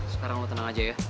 sekarang mau tenang aja ya